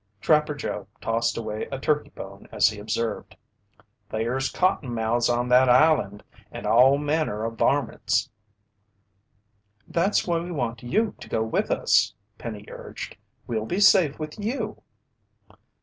Trapper Joe tossed away a turkey bone as he observed: "There's cottonmouths on that island and all manner o' varmints." "That's why we want you to go with us," Penny urged. "We'll be safe with you."